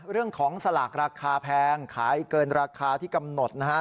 เรื่องของสลากราคาแพงขายเกินราคาที่กำหนดนะครับ